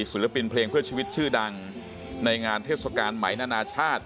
ศิลปินเพลงเพื่อชีวิตชื่อดังในงานเทศกาลไหมนานาชาติ